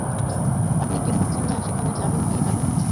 আপনি কি ভাবছেন না সেখানে যাবেন কি যাবেন না?